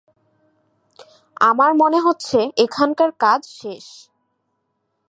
আমার মনে হচ্ছে, এখানকার কাজ শেষ।